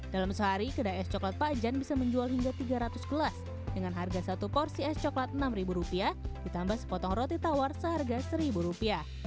dalam sehari kedai es coklat pak jan bisa menjual hingga tiga ratus gelas dengan harga satu porsi es coklat rp enam ditambah sepotong roti tawar seharga rp satu